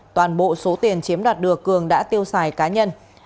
toàn bộ số tiền chiếm đoạt được cường đã tiêu xài cá nhân